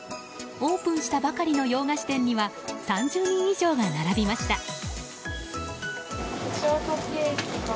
オープンしたばかりの洋菓子店には３０人以上が並びました。